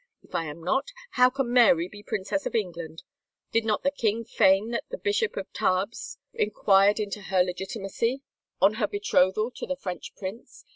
If I am not, how can Mary be Princess of England? Did not the king feign that the Bishop of Tarbes inquired into her legitimacy on her betrothal to the French prince?